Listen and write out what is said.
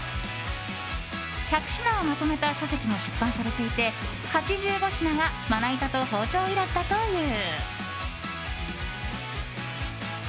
１００品をまとめた書籍も出版されていて８５品がまな板と包丁いらずだという。